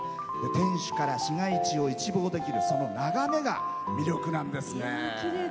天主から市街地を一望できる眺めが魅力なんですね。